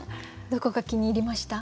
どこが気に入りました？